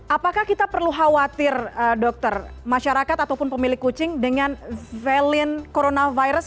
apakah kita perlu khawatir dokter masyarakat ataupun pemilik kucing dengan valine coronavirus